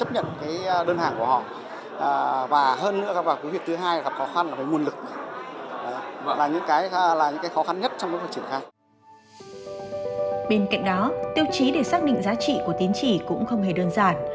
bên cạnh đó tiêu chí để xác định giá trị của tín chỉ cũng không hề đơn giản